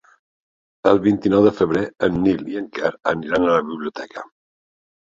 El vint-i-nou de febrer en Nil i en Quer aniran a la biblioteca.